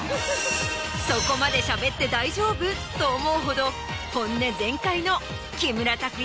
そこまでしゃべって大丈夫？と思うほど本音全開の木村拓哉